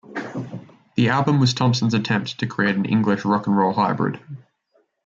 The album was Thompson's attempt to create an English rock 'n roll hybrid.